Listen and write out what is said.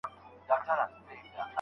او په هغه ژبه خپلو اورېدونکو